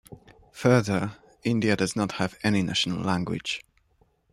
Further, India does not have any national language.